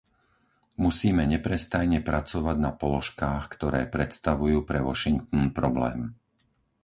Musíme neprestajne pracovať na položkách, ktoré predstavujú pre Washington problém.